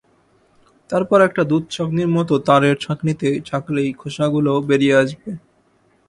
তারপর একটা দুধছাঁকনির মত তারের ছাঁকনিতে ছাঁকলেই খোসাগুলো বেরিয়ে আসবে।